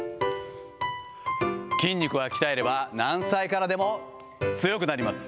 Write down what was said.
筋肉は鍛えれば、何歳からでも強くなります。